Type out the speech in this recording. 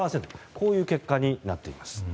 こういう結果になっています。